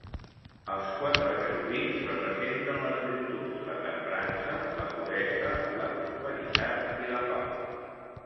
Els quatre querubins representen les virtuts: la temprança, la puresa, la prosperitat i la pau.